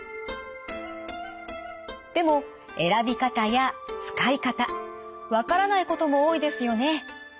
でも選び方や使い方分からないことも多いですよね。